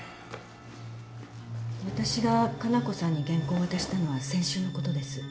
私が加奈子さんに原稿を渡したのは先週のことです。